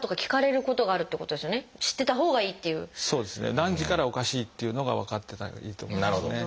何時からおかしいっていうのが分かってたほうがいいと思いますね。